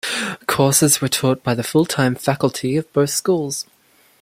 Courses were taught by the full-time faculty of both schools.